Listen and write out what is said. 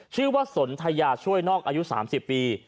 ชื่อว่าศรไทยาช่วยนอกอายุ๓๐ปี